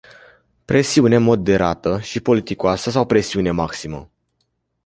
Presiune moderată și politicoasă sau presiune maximă?